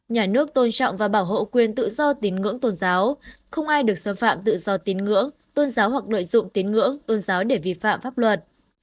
nhà nước tôn trọng và bảo hộ quyền tự do tín ngưỡng tôn giáo không ai được xâm phạm tự do tín ngưỡng tôn giáo hoặc lợi dụng tiến ngưỡng tôn giáo để vi phạm pháp luật